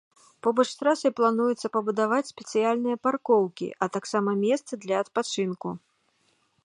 Побач з трасай плануецца пабудаваць спецыяльныя паркоўкі, а таксама месцы для адпачынку.